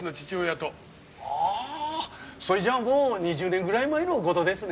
ああそれじゃもう２０年ぐらい前の事ですね。